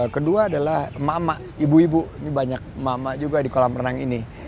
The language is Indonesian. kedua adalah mama ibu ibu ini banyak mama juga di kolam renang ini